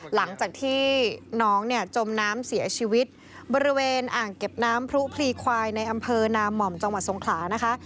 หลังจากที่น้องเนี่ยจมน้ำเสียชีวิตบริเวณอ่างเก็บน้ำพรุพลีควายในอำเภอนามห่อมจังหวัดทรงขลานะคะ